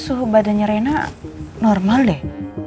suhu badannya reina normal deh